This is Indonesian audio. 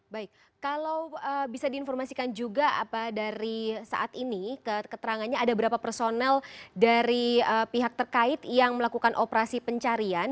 baik kalau bisa diinformasikan juga dari saat ini keterangannya ada berapa personel dari pihak terkait yang melakukan operasi pencarian